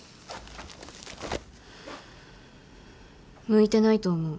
・向いてないと思う。